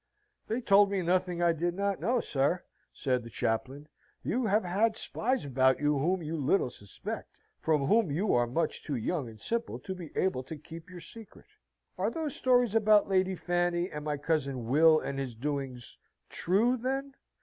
"They told me nothing I did not know, sir," said the chaplain "You have had spies about you whom you little suspect from whom you are much too young and simple to be able to keep your secret." "Are those stories about Lady Fanny, and my cousin Will and his doings, true then?"